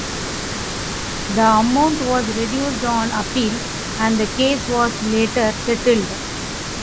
The amount was reduced on appeal and the case was later settled.